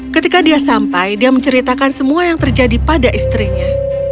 ketika dia sampai dia menceritakan semua yang terjadi pada istrinya